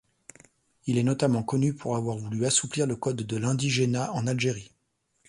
Il est notamment connu pour avoir voulu assouplir le code de l'indigénat en Algérie.